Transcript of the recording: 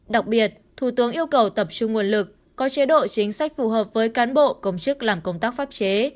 đặc biệt thủ tướng yêu cầu tập trung nguồn lực có chế độ chính sách phù hợp với cán bộ công chức làm công tác pháp chế